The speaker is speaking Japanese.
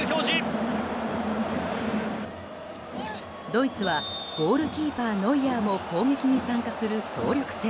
ドイツはゴールキーパーノイアーも攻撃に参加する総力戦。